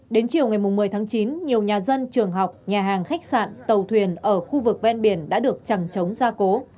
đến chiều ngày một mươi chín nhiều nhà dân trường học nhà hàng khách sạn tàu thuyền ở khu vực ven biển đã được trăng chống ra cố